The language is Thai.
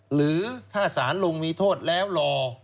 หรือถ้าสารลุงมีโทษแล้วรอ